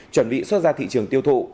chuẩn bị xuất ra thị trường tiêu thụ